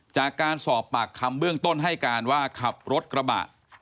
จากการสอบปากคำเบื้องต้นให้การว่าขับรถกระบะ